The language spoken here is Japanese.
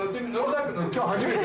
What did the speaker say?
今日初めて。